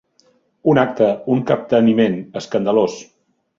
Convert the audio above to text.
Un acte, un capteniment, escandalós.